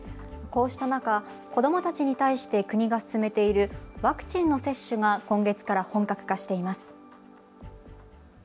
こうした中、子どもたちに対して国が勧めているワクチンの接種が今月から本格化しています。